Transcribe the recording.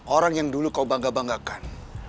orang yang dulu kau bangga banggakan